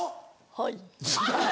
はい。